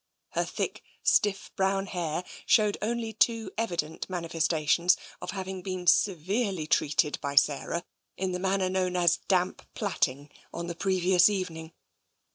Her thick, stiff brown hair showed only too evident manifestations of having been severely treated by Sarah, in the manner known as " damp plaiting " on the previous evening.